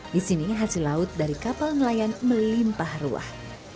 di sini hasil laut dari kapal nelayan melimpah ruah